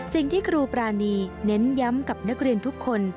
สิ่งที่ครูปรานีเน้นย้ำกับนักเรียนทุกคน